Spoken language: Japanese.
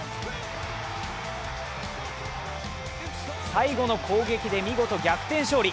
最後の攻撃で見事、逆転勝利。